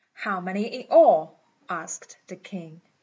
"How many in all?" asked the king.